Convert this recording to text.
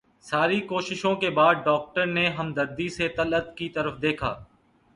ساری کوششوں کے بعد ڈاکٹر نے ہمدردی سے طلعت کی طرف دیکھا